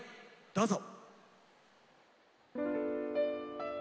どうぞ。